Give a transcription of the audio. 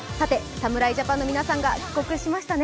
侍ジャパンの皆さんが帰国しましたね。